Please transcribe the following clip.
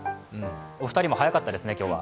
お二人も早かったですね、今日は。